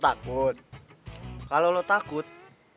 gak ada yang berani